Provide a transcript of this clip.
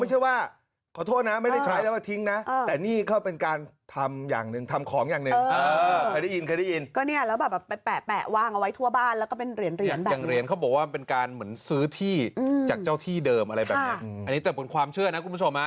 ส่วนเรื่องเหรียญเยอะผมลองไปดูเออมันมีความเชื่อนะ